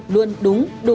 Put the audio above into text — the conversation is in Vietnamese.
luôn đúng và đúng